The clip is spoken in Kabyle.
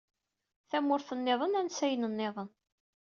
Tamurt-nniḍen, ansayen-nniḍen.